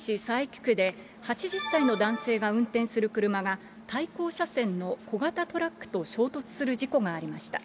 区で８０歳の男性が運転する車が対向車線の小型トラックと衝突する事故がありました。